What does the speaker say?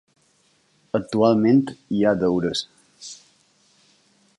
Actualment, hi ha deures.